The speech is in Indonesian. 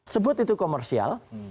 sebut itu komersial